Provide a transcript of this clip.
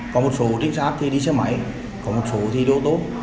có một số tính xác thì đi trên máy có một số thì đô tố